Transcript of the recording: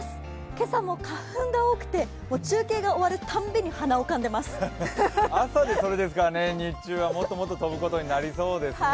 今朝も花粉が多くて、中継が終わるたんびに朝でそれですから日中はもっともっと飛ぶことになりそうですね。